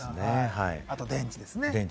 あと電池ですね。